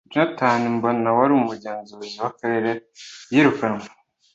jonathan mbomah wari umugenzuzi w’akarere yirukanwe.